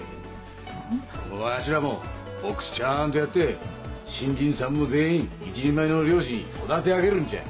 わしらもボックスちゃんとやって新人さんも全員一人前の漁師に育て上げるんちゃ。